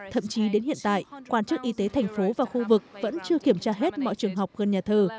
thậm chí đến hiện tại quan chức y tế thành phố và khu vực vẫn chưa kiểm tra hết mọi trường học gần nhà thờ